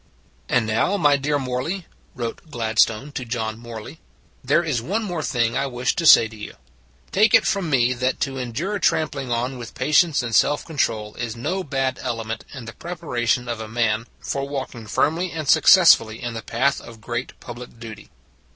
And now, my dear Morley [wrote Gladstone to John Morley], there is one more thing I wish to say to you: Take it from me that to endure trampling on with patience and self control is no bad element in the preparation of a man for walking firmly and successfully in the path of great public duty.